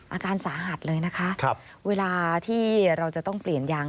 อาการสาหัสเลยนะคะเวลาที่เราจะต้องเปลี่ยนยาง